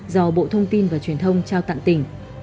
do bộ thông tin và truyền thông trao tặng tỉnh